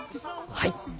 はい。